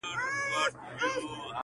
زما له غېږي زما له څنګه پاڅېدلای!